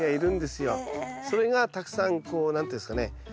それがたくさんこう何て言うんですかね